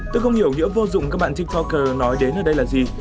tôi không hiểu nghĩa vô dụng các bạn tiktoker nói đến ở đây là gì